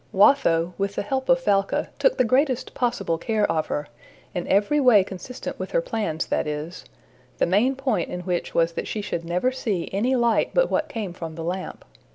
Watho, with the help of Falca, took the greatest possible care of her in every way consistent with her plans, that is, the main point in which was that she should never see any light but what came from the lamp.